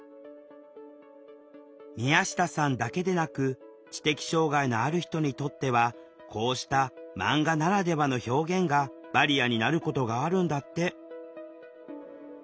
宮下さんだけでなく知的障害のある人にとってはこうした「マンガならではの表現」がバリアになることがあるんだって。